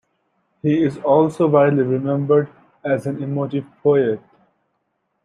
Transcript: He is also widely remembered as an emotive poet.